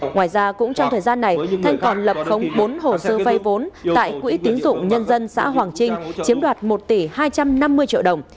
ngoài ra cũng trong thời gian này thanh còn lập khống bốn hồ sơ vay vốn tại quỹ tín dụng nhân dân xã hoàng trinh chiếm đoạt một tỷ hai trăm năm mươi triệu đồng